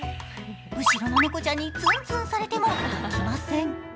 後ろの猫ちゃんにツンツンされても動きません。